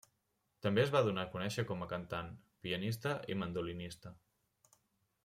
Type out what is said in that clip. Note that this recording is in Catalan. També es va donar a conèixer com a cantant, pianista i mandolinista.